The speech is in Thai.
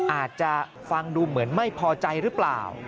อาจจะฟังดูเหมือนไม่พอใจหรือเปล่า